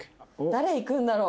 誰いくんだろう？